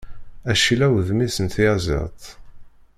Acillaw d mmi-s n tyaziḍt.